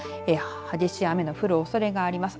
激しい雨の降るおそれがあります。